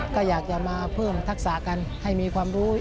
ก็อยากจะมาเพิ่มทักษะกันให้มีความรู้